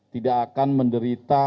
tidak akan menderita